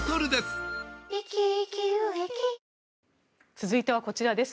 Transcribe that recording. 続いてはこちらです。